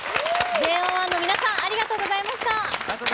ＪＯ１の皆さんありがとうございました。